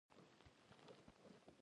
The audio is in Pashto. هغه ډېره خفه شوه خو بیا یې هم.